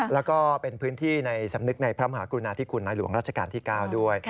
แล้วก็เป็นพื้นที่ในสำนึกในพระมหากรุณาธิคุณในหลวงราชการที่๙ด้วย